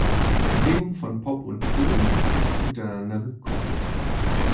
Die Bewegung von Pop und Pull ist miteinander gekoppelt.